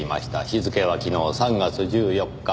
日付は昨日３月１４日。